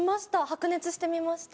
白熱して見ました。